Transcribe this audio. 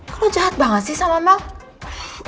kok lo jahat banget sih sama mel